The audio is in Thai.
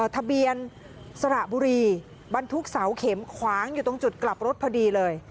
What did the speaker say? ทะเบียนสระบุรีบรรทุกเสาเข็มขวางอยู่ตรงจุดกลับรถพอดีเลย